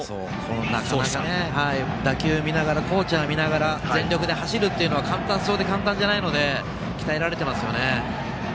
打球見ながらコーチャー見ながら全力で走るというのは簡単そうで簡単じゃないので鍛えられてますね。